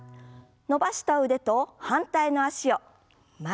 伸ばした腕と反対の脚を前です。